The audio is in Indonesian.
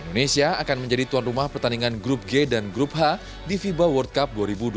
indonesia akan menjadi tuan rumah pertandingan grup g dan grup h di fiba world cup dua ribu dua puluh tiga